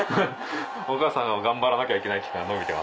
お母さんが頑張らなきゃいけない期間延びてます。